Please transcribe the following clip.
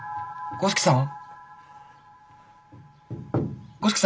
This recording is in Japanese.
五色さん。